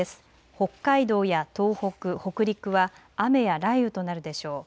北海道や東北、北陸は雨や雷雨となるでしょう。